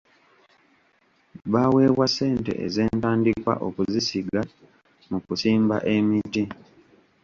Baaweebwa ssente ez'entandikwa okuzisiga mu kusimba emiti.